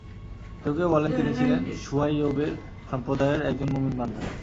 কেউ কেউ বলেন, তিনি ছিলেন শুয়ায়বের সম্প্রদায়ের একজন মুমিন বান্দা।